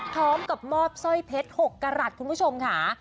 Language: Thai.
พร้อมกับมอบสร้อยเพชร๖กรัฐคุณผู้ชมค่ะ